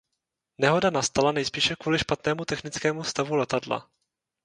Nehoda nastala nejspíše kvůli špatnému technickému stavu letadla.